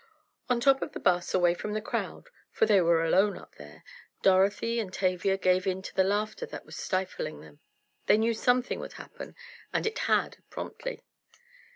On top of the 'bus, away from the crowd (for they were alone up there), Dorothy and Tavia gave in to the laughter that was stifling them. They knew something would happen and it had, promptly.